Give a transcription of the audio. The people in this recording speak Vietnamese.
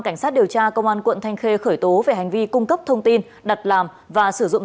cảnh sát điều tra công an quận thanh khê khởi tố về hành vi cung cấp thông tin đặt làm và sử dụng